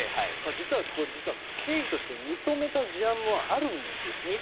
実は経費として認めた事案もあるんです。